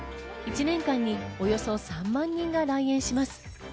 １年間におよそ３万人が来園します。